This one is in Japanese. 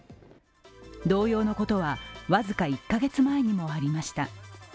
同様のことは、僅か１カ月前にもありました。